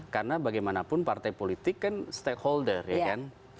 karena bagaimanapun partai politik kan stakeholder ya kan